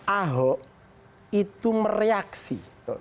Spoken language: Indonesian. ahok itu mereaksi